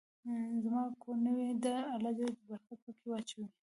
زما کور نوې ده، الله ج د برکت په کي واچوی